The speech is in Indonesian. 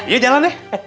iya jalan deh